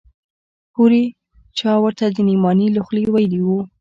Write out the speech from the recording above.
هورې چا ورته د نعماني له خولې ويلي و.